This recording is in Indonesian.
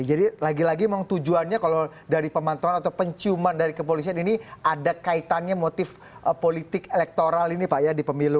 jadi lagi lagi memang tujuannya kalau dari pemantauan atau penciuman dari kepolisian ini ada kaitannya motif politik elektoral ini pak ya di pemilu dua ribu delapan belas dua ribu sembilan belas